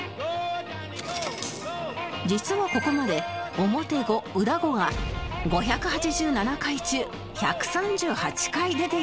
実はここまで表５裏５が５８７回中１３８回出ていたのです